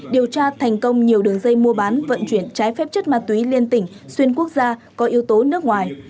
điều tra thành công nhiều đường dây mua bán vận chuyển trái phép chất ma túy liên tỉnh xuyên quốc gia có yếu tố nước ngoài